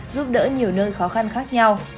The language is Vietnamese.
giúp đỡ nhiều nơi khó khăn khác nhau